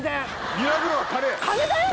揺らぐのは金。